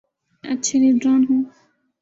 اچھے لیڈران ہوں۔